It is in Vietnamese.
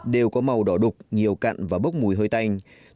đều có màu đỏ đục nhiều cặn và bốc mùi hơi tanh